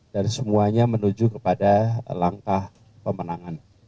dan semuanya menuju kepada langkah pemenangan